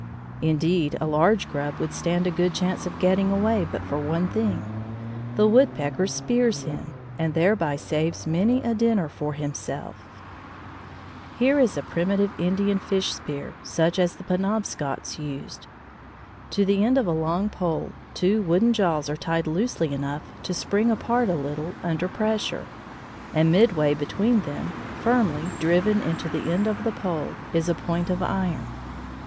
Indeed, a large grub would stand a good chance of getting away but for one thing, the woodpecker spears him, and thereby saves many a dinner for himself. [Illustration: Indian spear.] Here is a primitive Indian fish spear, such as the Penobscots used. To the end of a long pole two wooden jaws are tied loosely enough to spring apart a little under pressure, and midway between them, firmly driven into the end of the pole, is a point of iron.